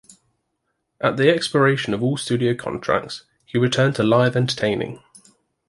At the expiration of all studio contracts, he returned to live entertaining.